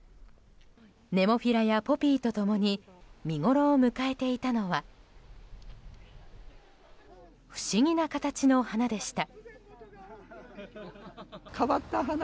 ネモフィラやポピーと共に見ごろを迎えていたのは不思議な形の花でした。